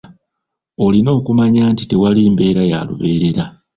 Olina okumanya nti tewali mbeera ya lubeerera